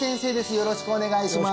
よろしくお願いします